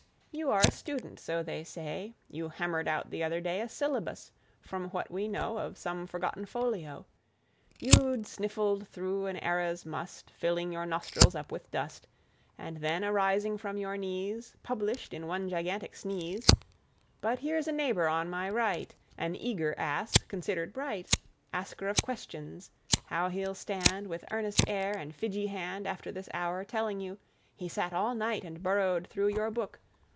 You are a student, so they say; You hammered out the other day A syllabus, from what we know Of some forgotten folio; You'd sniffled through an era's must, Filling your nostrils up with dust, And then, arising from your knees, Published, in one gigantic sneeze... But here's a neighbor on my right, An Eager Ass, considered bright; Asker of questions.... How he'll stand, With earnest air and fidgy hand, After this hour, telling you He sat all night and burrowed through Your book....